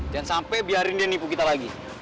jangan sampai biarin dia nipu kita lagi